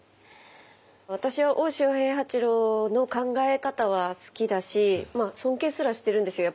私は大塩平八郎の考え方は好きだし尊敬すらしてるんですよ。